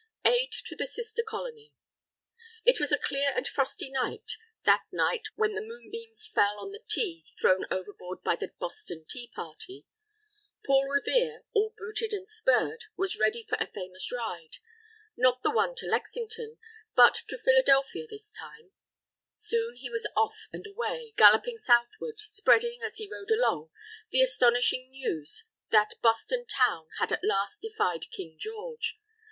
AID TO THE SISTER COLONY It was a clear and frosty night that night, when the moonbeams fell on the tea thrown overboard by the Boston Tea Party. Paul Revere, all booted and spurred, was ready for a famous ride not the one to Lexington, but to Philadelphia this time. Soon he was off and away, galloping southward, spreading, as he rode along, the astonishing news that Boston Town had at last defied King George.